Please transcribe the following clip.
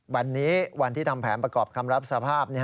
วันนี้วันที่ทำแผนประกอบคำรับสภาพ